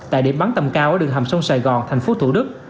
tại điểm bắn tầm cao ở đường hầm sông sài gòn thành phố thủ đức